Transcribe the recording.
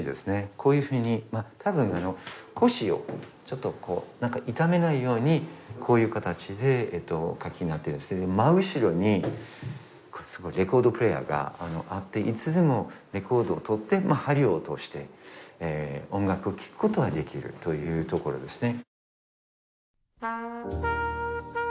こういうふうにたぶん腰を痛めないようにこういう形でお書きになってる真後ろにこれすごいレコードプレーヤーがあっていつでもレコードを取って針を落として音楽聴くことができるというところですね